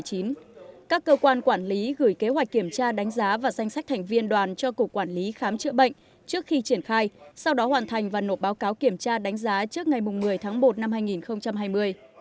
các cơ quan quản lý gửi kế hoạch kiểm tra đánh giá và danh sách thành viên đoàn cho cục quản lý khám chữa bệnh trước khi triển khai sau đó hoàn thành và nộp báo cáo kiểm tra đánh giá trước ngày một mươi tháng một năm hai nghìn hai mươi